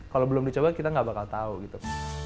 kalau belum dicoba kita gak bakal tahu gitu